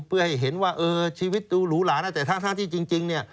เพื่อให้เห็นว่าเออชีวิตดูหรูหลานะแต่ทั้งที่จริงเนี่ย